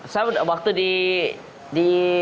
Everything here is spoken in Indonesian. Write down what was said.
saya waktu di